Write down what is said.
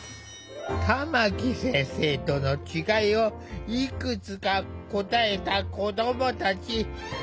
玉木先生との違いをいくつか答えた子どもたち。